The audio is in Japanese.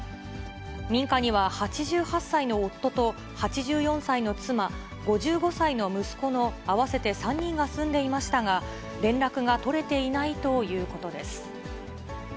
民家には８８歳の夫と、８４歳の妻、５５歳の息子の合わせて３人が住んでいましたが、連絡が取れていないということです。